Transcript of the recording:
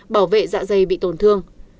bảo vệ dạ dày bị tổn thương